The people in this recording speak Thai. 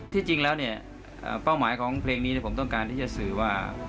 ที่จริงแล้วเนี่ยเป้าหมายของเพลงนี้ผมต้องการที่จะสื่อว่า